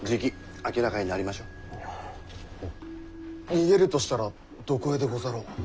逃げるとしたらどこへでござろう？